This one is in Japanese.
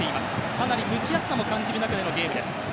かなり蒸し暑さも感じる中でのゲームです。